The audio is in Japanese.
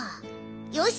よし！